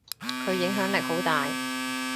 佢影響力好大。